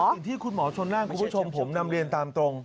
อย่างที่คุณหมอชนนั่นคุณผู้ชมผมนำเรียนตามตรง